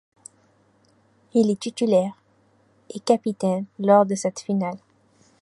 Il est titulaire et capitaine lors de cette finale.